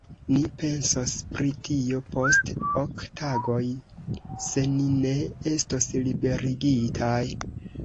Ni pensos pri tio post ok tagoj, se ni ne estos liberigitaj.